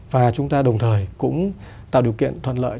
và chúng ta đồng thời cũng tạo điều kiện thuận lợi